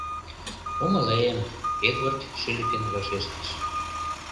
— Умылем, — Эдвард шӱлыкын вашештыш.